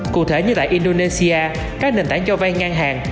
cụ thể như tại indonesia các nền tảng cho vay ngang hàng